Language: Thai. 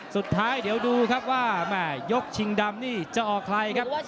สุดท้ายเดี๋ยวดูครับว่าแม่ยกชิงดำนี่จะออกใครครับ